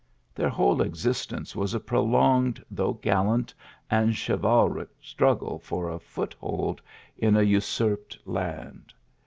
Their whole existence was a prolonged though gallant and chivalric struggle for a foot hold in a usurped land.